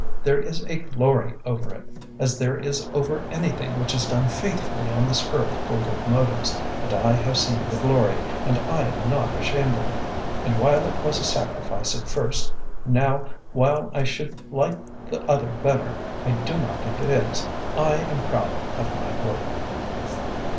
There is a glory over it, as there is over anything which is done faithfully on this earth for good motives, and I have seen the glory, and I am not ashamed of it; and while it was a sacrifice at first, now, while I should like the other better, I do not think it is. I am proud of my work."